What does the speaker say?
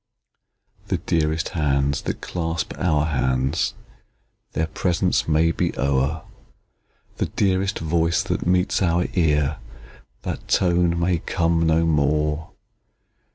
The dearest hands that clasp our hands, Their presence may be o'er; The dearest voice that meets our ear, That tone may come no more!